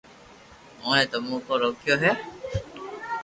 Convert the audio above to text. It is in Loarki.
اوني تمو ڪو روڪيو ھي